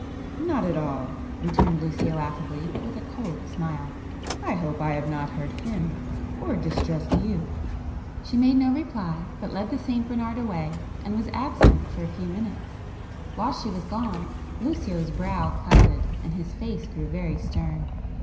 "Not at all!" returned Lucio affably but with a cold smile; "I hope I have not hurt him,—or distressed you!" [p 232]She made no reply, but led the St Bernard away and was absent for a few minutes. While she was gone, Lucio's brow clouded, and his face grew very stern.